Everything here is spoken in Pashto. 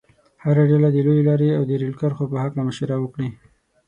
هره ډله دې د لویې لارې او د ریل کرښو په هلکه مشوره وکړي.